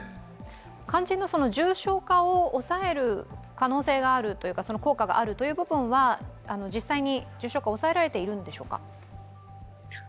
肝心の重症化を抑える可能性がある、効果があるということは実際に重症化は抑えられているんでしょうか？